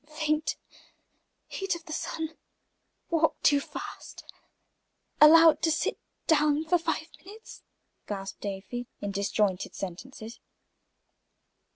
"Faint heat of the sun walked too fast allowed to sit down for five minutes!" gasped Afy, in disjointed sentences.